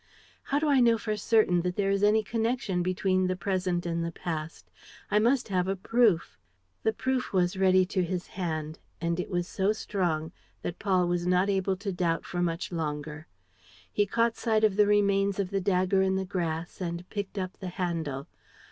How do I know for certain that there is any connection between the present and the past? I must have a proof." The proof was ready to his hand; and it was so strong that Paul was not able to doubt for much longer. He caught sight of the remains of the dagger in the grass and picked up the handle.